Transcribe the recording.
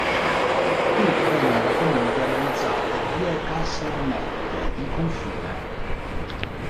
Qui vennero comunque realizzate due casermette di confine.